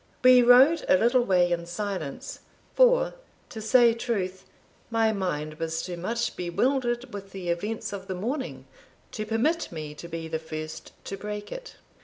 We rode a little way in silence, for, to say truth, my mind was too much bewildered with the events of the morning, to permit me to be the first to break it.